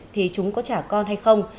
thì chúng có trả con hay không